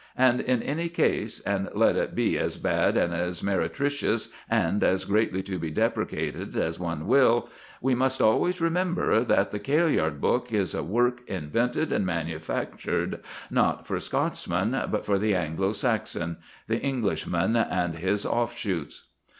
And in any case, and let it be as bad and as meretricious and as greatly to be deprecated as one will, we must always remember that the Kailyard book is a work invented and manufactured, not for Scotsmen, but for the Anglo Saxon the Englishman and his offshoots.